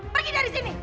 pergi dari sini